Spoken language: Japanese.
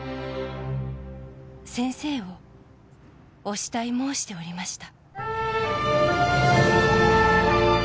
「先生をお慕い申しておりました」